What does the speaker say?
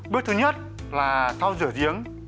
bước thứ nhất là thao rửa giếng